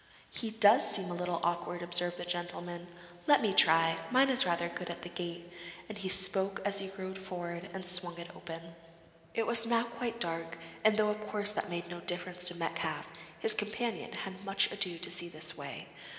'He does seem a little awkward,' observed the gentleman. 'Let me try: mine is rather good at a gate,' and as he spoke he rode forward and swung it open. It was now quite dark, and though of course that made no difference to Metcalfe, his companion had much ado to see his way.